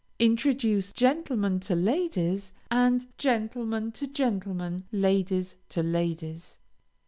Introduce gentlemen to ladies, and gentlemen to gentlemen, ladies to ladies.